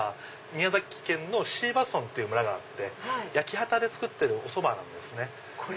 宮崎県の椎葉村っていう村があって焼き畑で作ってるおそばなんですね。